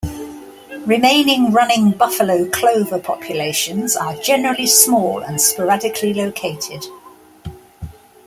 Remaining running buffalo clover populations are generally small and sporadically located.